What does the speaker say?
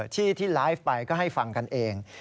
ที่ที่ไลฟ์ไปก็ให้ฟังกันเอง